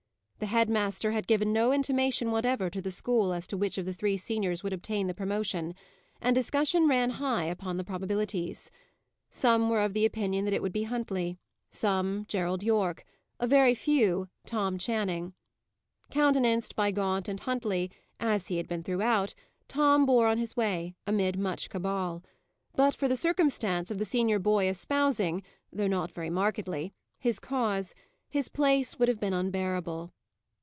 The head master had given no intimation whatever to the school as to which of the three seniors would obtain the promotion, and discussion ran high upon the probabilities. Some were of opinion that it would be Huntley; some, Gerald Yorke; a very few, Tom Channing. Countenanced by Gaunt and Huntley, as he had been throughout, Tom bore on his way, amid much cabal; but for the circumstance of the senior boy espousing (though not very markedly) his cause, his place would have been unbearable.